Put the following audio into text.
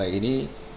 nah nilai ini